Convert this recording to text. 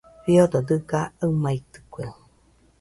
Fiodo dɨga aɨmaitɨkue.